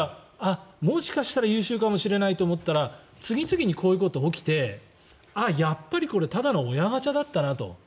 もしかしたら優秀かもしれないと思ったら次々にこういうことが起きてやっぱりこれただの親ガチャだったなと。